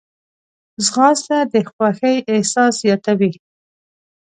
ځغاسته د خوښۍ احساس زیاتوي